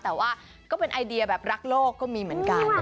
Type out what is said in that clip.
แต่ว่าก็เป็นไอเดียแบบรักโลกก็มีเหมือนกัน